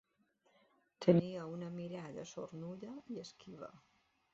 Tenia una mirada sornuda i esquiva.